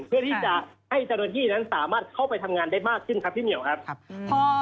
เพื่อที่จะให้เจ้าหน้าที่นั้นสามารถเข้าไปทำงานได้มากขึ้นครับพี่เหมียวครับครับอืม